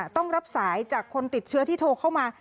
ต้องรับสายจากคนติดเชื้อที่โทรเข้ามา